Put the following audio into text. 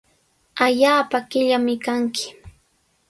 Allaapa qillami kanki.